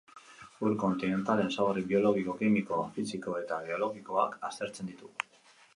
Ur kontinentalen ezaugarri biologiko, kimiko, fisiko eta geologikoak aztertzen ditu.